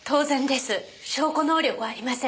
証拠能力はありません。